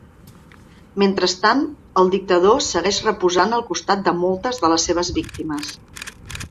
Mentrestant, el dictador segueix reposant al costat de moltes de les seves víctimes.